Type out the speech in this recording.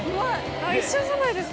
一緒じゃないですか。